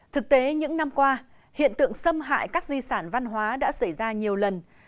thực tế những năm qua hiện tượng xâm hại các di sản văn hóa đã xảy ra trong các văn hóa